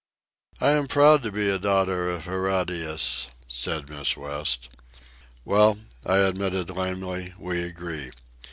"I am proud to be a daughter of Herodias," said Miss West. "Well," I admitted lamely, "we agree.